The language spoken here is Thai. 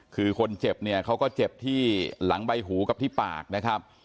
คือคนเจ็บเนี่ยเขาก็เจ็บที่หลังใบหูกับที่ปากนะครับ